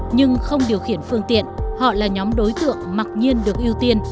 nhưng không điều khiển phương tiện họ là nhóm đối tượng mặc nhiên được ưu tiên